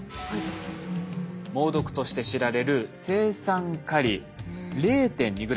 猛毒として知られる青酸カリ０．２グラム。